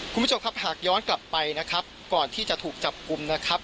คุณผู้ชมครับหากย้อนกลับไปนะครับก่อนที่จะถูกจับกลุ่มนะครับ